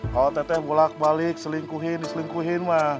kalau tete bolak balik selingkuhin diselingkuhin ma